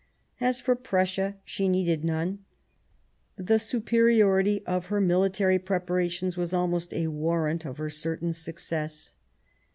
As for Prussia, she needed none ; the superiority of her military preparations was almost a warrant of her certain success.